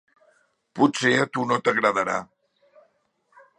Potser a tu no t’agradarà.